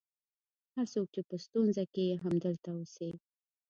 هر څوک چې په ستونزه کې یې همدلته اوسي.